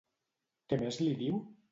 Què més li diu?